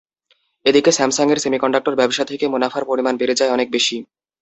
এদিকে স্যামসাংয়ের সেমিকন্ডাক্টর ব্যবসা থেকে মুনাফার পরিমাণ বেড়ে যায় অনেক বেশি।